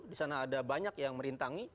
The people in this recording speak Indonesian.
di sana ada banyak yang merintangi